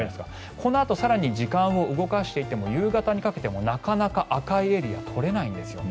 このあと更に時間を動かしていっても夕方にかけてもなかなか赤いエリアが取れないんですよね。